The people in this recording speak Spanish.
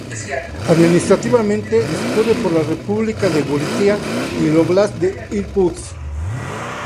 Administrativamente, discurre por la república de Buriatia y el óblast de Irkutsk.